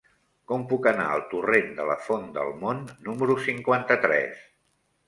Com puc anar al torrent de la Font del Mont número cinquanta-tres?